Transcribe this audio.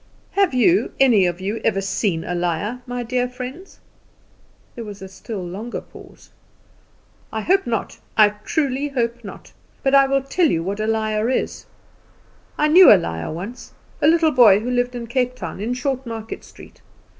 "Have you any of you ever seen a liar, my dear friends?" There was a still longer pause. "I hope not; I truly hope not. But I will tell you what a liar is. I knew a liar once a little boy who lived in Cape Town, in Short Market Street.